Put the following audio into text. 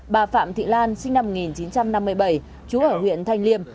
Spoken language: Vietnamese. bà phạm thị lan sinh năm một nghìn chín trăm năm mươi bảy trú ở huyện thanh liêm